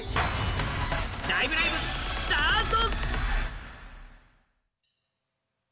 ライブライブ、スタート。